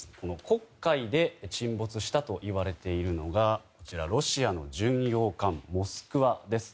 黒海で沈没したといわれているのがロシアの巡洋艦「モスクワ」です。